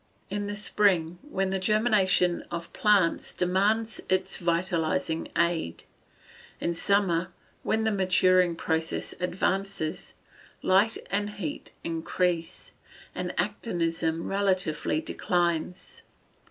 _ In the spring, when the germination of plants demands its vitalising aid. In summer, when the maturing process advances, light and heat increase, and actinism relatively declines.